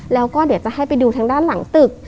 แล้วก็จะให้ไปดูทางด้านหลังตึก